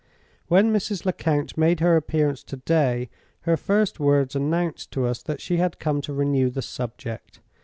When Mrs. Lecount made her appearance to day, her first words announced to us that she had come to renew the subject.